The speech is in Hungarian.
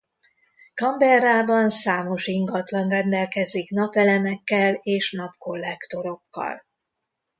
Canberrában számos ingatlan rendelkezik napelemekkel és napkollektorokkal.